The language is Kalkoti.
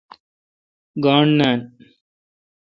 گاݨڈ نان۔